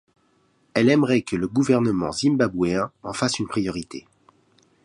Elle aimerait que le gouvernement zimbabwéen en fasse une priorité.